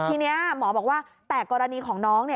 ทีนี้หมอบอกว่าแต่กรณีของน้อง